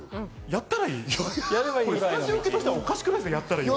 やったらいいって。